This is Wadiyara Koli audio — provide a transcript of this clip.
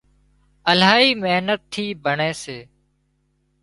الاهي محنت ٿِي ڀڻي سي